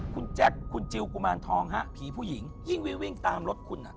คุณแจ๊คคุณจิลกุมารทองฮะผีผู้หญิงยิ่งวิ่งตามรถคุณอ่ะ